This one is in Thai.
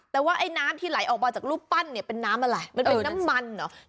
แต่ว่าไอ้น้ำที่ไหลออกมาจากรูปปั้นเนี่ยเป็นน้ำอะไรมันเป็นน้ำมันเหรอ